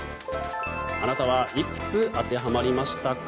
あなたはいくつ当てはまりましたか？